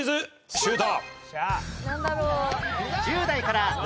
シュート！